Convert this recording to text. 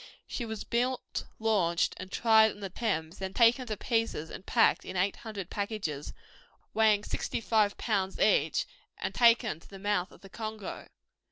She was built, launched, and tried on the Thames; then taken to pieces and packed in 800 packages, weighing 65 lbs. each, and taken to the mouth of the Congo.